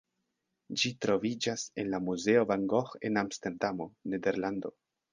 Ĝi troviĝas en la muzeo Van Gogh en Amsterdamo, Nederlando.